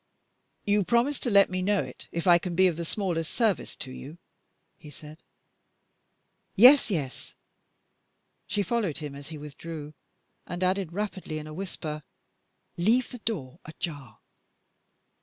"You promise to let me know it if I can be of the smallest service to you?" he said. "Yes, yes!" She followed him as he withdrew, and added, rapidly, in a whisper, "Leave the door ajar!"